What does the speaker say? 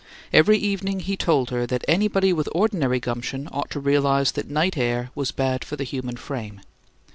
Every evening he told her that anybody with ordinary gumption ought to realize that night air was bad for the human frame.